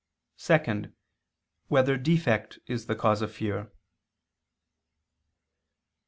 (2) Whether defect is the cause of fear?